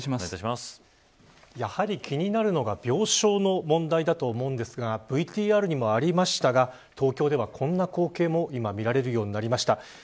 やはり、気になるのが病床の問題だと思いますがＶＴＲにもありましたが東京では、こんな光景も今見られるようになりました。